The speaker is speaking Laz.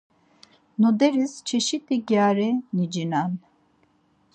Noderis çeşit̆i gyari nicinen.